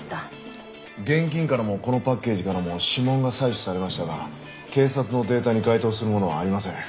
現金からもこのパッケージからも指紋が採取されましたが警察のデータに該当するものはありません。